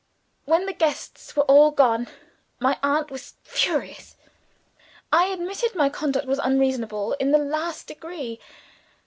When the guests were all gone, my aunt was furious. I admitted my conduct was unreasonable in the last degree.